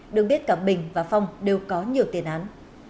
đương biết cả bình và phong đều có nhiều tiền án